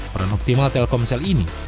peran optimal telkomsel ini